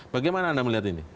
bagaimana anda melihat ini